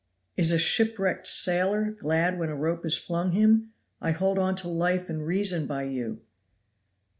"Is a shipwrecked sailor glad when a rope is flung him? I hold on to life and reason by you!"